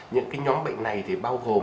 những cái nhóm bệnh này thì bao gồm